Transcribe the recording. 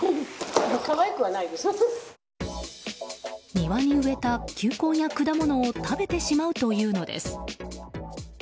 庭に植えた球根や果物を食べてしまうというのです。